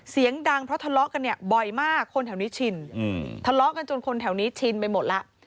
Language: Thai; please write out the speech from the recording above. เสียงดังเพราะทะเลาะกันเนี่ยบ่อยมากคนแถวนี้ชินทะเลาะกันจนคนแถวนี้ชินไปหมดแล้ว